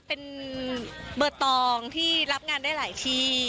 เป็นเบอร์ตองที่รับงานได้หลายที่